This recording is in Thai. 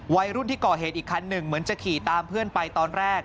วัยรุ่นที่ก่อเหตุอีกคันหนึ่งเหมือนจะขี่ตามเพื่อนไปตอนแรก